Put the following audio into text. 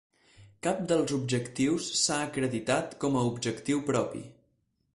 Cap dels objectius s'ha acreditat com a objectiu propi.